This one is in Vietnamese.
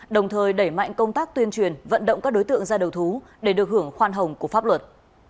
đồng thời đẩy mạnh công tác tuyên truyền vận động các đối tượng ra đầu thú để được hưởng khoan hồng của pháp luật